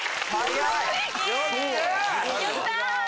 やった！